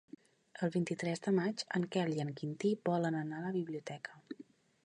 El vint-i-tres de maig en Quel i en Quintí volen anar a la biblioteca.